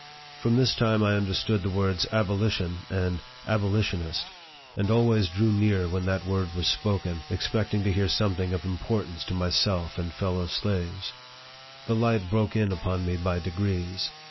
From this time I understood the words abo lition and abolitionist, and always drew near when that word was spoken, expecting to hear something of importance to myself and fellow slaves. The light broke in upon me by degrees.